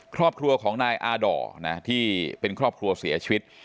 ครอบครัวของนายอาด่อที่เป็นครอบครัวเสียชีวิต